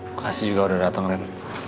makasih juga udah dateng ren